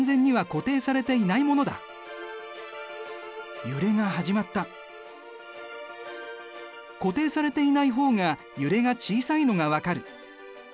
固定されていない方が揺れが小さいのが分かる。